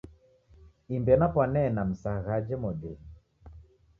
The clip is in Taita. Imbe napwanee na Msagha aja modenyi.